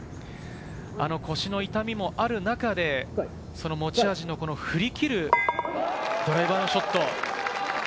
腰の痛みもある中で持ち味の振り切るドライバーショット。